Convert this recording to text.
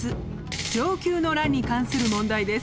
承久の乱に関する問題です。